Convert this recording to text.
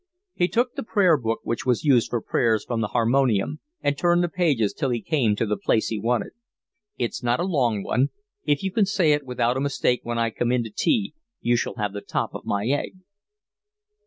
He took the prayer book which was used for prayers from the harmonium, and turned the pages till he came to the place he wanted. "It's not a long one. If you can say it without a mistake when I come in to tea you shall have the top of my egg."